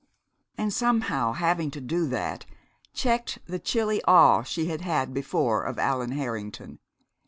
And somehow having to do that checked the chilly awe she had had before of Allan Harrington.